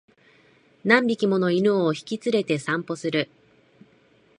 何匹もの犬を引き連れて散歩する